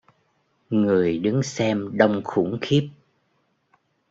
Người đứng Xem đông khủng khiếp